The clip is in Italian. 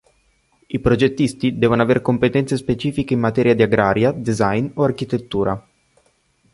I progettisti devono aver competenze specifiche in materia di agraria, design o architettura.